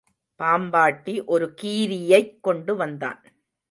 பாம்பாட்டி ஒரு கீரியைக் கொண்டுவந்தான்.